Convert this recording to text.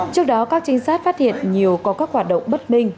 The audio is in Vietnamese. trước đó các trinh sát phát hiện nhiều có các hoạt động bất minh